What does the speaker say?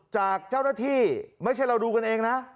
จากเจ้าหน้าที่ไม่ใช่เราดูกันเองนะ